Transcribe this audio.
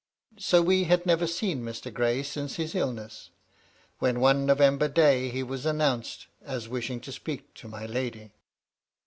So we had never seen Mr. Gray since his illness, when one November day he was announced as wishing to speak to my lady.